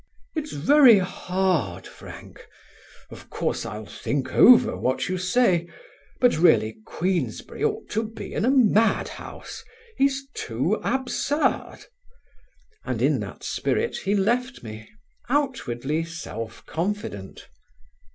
"It's very hard, Frank; of course I'll think over what you say. But really Queensberry ought to be in a madhouse. He's too absurd," and in that spirit he left me, outwardly self confident.